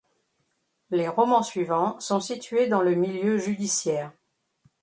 Les romans suivants sont situés dans le milieu judiciaire.